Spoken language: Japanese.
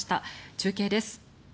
中継です。